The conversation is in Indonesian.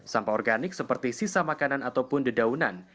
sampah organik seperti sisa makanan ataupun dedaunan